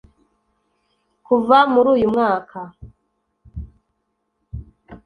Kuva muri uyu mwaka